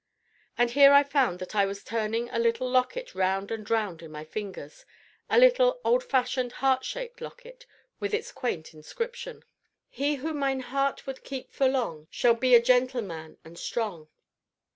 And here I found that I was turning a little locket round and round in my fingers, a little, old fashioned, heart shaped locket with its quaint inscription: "Hee who myne heart would keepe for long Shall be a gentil man and strong."